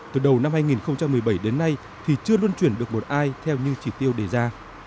từ đầu năm hai nghìn một mươi bảy đến nay thì chưa luân chuyển được một ai theo như chỉ tiêu đề ra